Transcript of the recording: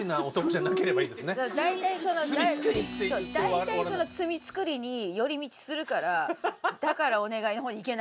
大体その「罪つくり」に寄り道するから「だからお願い」の方に行けないんですよ。